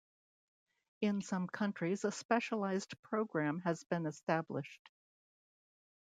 In some countries a specialised programme has been established.